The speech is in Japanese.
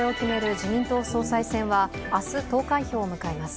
自民党総裁選は明日、投開票を迎えます。